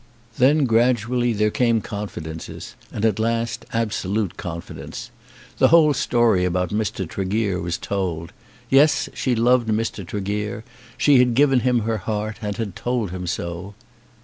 Then gradually there came confidences, and at last absolute confidence. The whole story about Mr. Tregear was told. Yes; she loved Mr. Tregear. She had given him her heart, and had told him so.